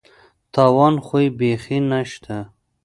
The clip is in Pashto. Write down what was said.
تاوان خو یې بېخي نشته.